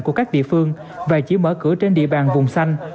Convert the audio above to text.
của các địa phương và chỉ mở cửa trên địa bàn vùng xanh